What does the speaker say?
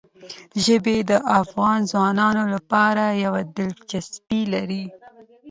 ژبې د افغان ځوانانو لپاره یوه دلچسپي لري.